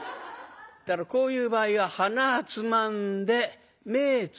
だからこういう場合は鼻つまんで目ぇつぶって息止める。